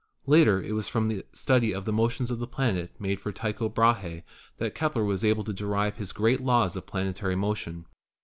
Later it was from the study of the motions of the planet made for Tycho Brahe that Kepler was able to derive his great laws of planetary motion.